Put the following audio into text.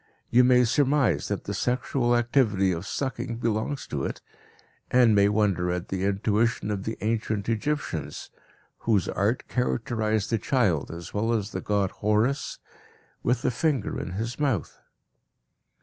You may surmise that the sexual activity of sucking belongs to it, and may wonder at the intuition of the ancient Egyptians, whose art characterized the child, as well as the god Horus, with the finger in his month.